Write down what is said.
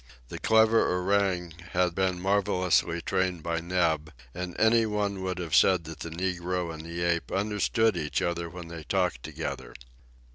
The clever orang had been marvelously trained by Neb, and any one would have said that the Negro and the ape understood each other when they talked together.